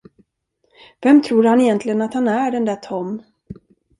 Vem tror han egentligen att han är, den där Tom?